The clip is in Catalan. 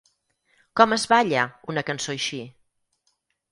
Com es balla, una cançó així?